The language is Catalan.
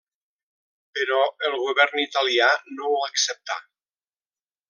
Però el govern italià no ho acceptà.